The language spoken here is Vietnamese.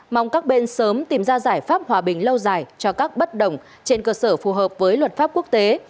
mong các bên sớm tìm ra giải pháp hòa bình lâu dài cho các bất đồng trên cơ sở phù hợp với luật pháp quốc tế